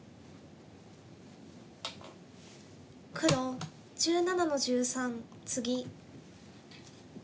黒１７の十三ツギ。